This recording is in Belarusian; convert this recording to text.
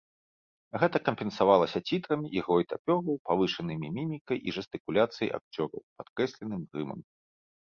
Гэта кампенсавалася цітрамі, ігрой тапёраў, павышанымі мімікай і жэстыкуляцыяй акцёраў, падкрэсленым грымам.